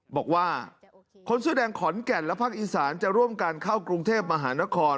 บอกว่าคนเสื้อแดงขอนแก่นและภาคอีสานจะร่วมกันเข้ากรุงเทพมหานคร